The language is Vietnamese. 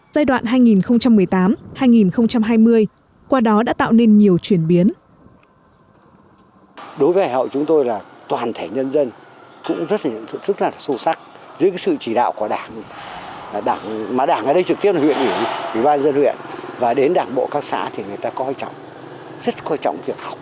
giai đoạn hai nghìn một mươi tám hai nghìn hai mươi qua đó đã tạo nên nhiều chuyển biến